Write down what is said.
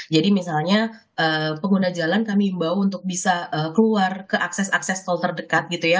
jadi misalnya pengguna jalan kami imbau untuk bisa keluar ke akses akses tol terdekat gitu ya